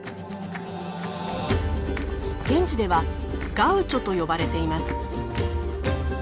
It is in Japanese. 現地ではガウチョと呼ばれています。